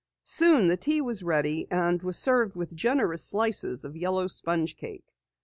Soon the tea was ready, and was served with generous slices of yellow sponge cake.